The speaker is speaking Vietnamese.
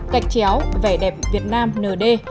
cạch chéo vẻ đẹp việt nam nd